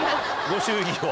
ご祝儀を。